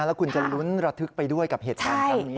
แล้วคุณจะลุ้นระทึกไปด้วยกับเหตุการณ์ครั้งนี้